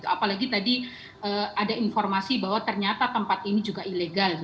apalagi tadi ada informasi bahwa ternyata tempat ini juga ilegal